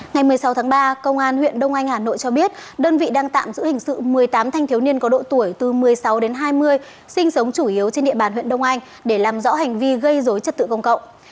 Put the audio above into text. ngày một mươi sáu tháng ba công an huyện đông anh hà nội cho biết đơn vị đang tạm giữ hình sự một mươi tám thanh thiếu niên có độ tuổi từ một mươi sáu đến hai mươi sinh sống chủ yếu trên địa bàn huyện đông anh để làm rõ hành vi gây dối trật tự công cộng